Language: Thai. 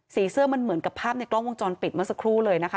เสื้อมันเหมือนกับภาพในกล้องวงจรปิดเมื่อสักครู่เลยนะคะ